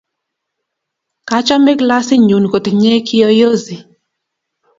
Kachome klasit nyon kotinye kiyoyozi